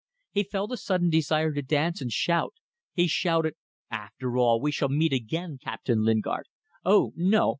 He felt a sudden desire to dance and shout. He shouted "After all, we shall meet again, Captain Lingard." "Oh, no!